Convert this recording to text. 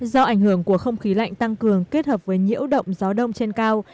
do ảnh hưởng của không khí lạnh tăng cường kết hợp với nhiễu động gió đông trên cao